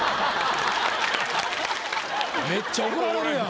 めっちゃ怒られるやん。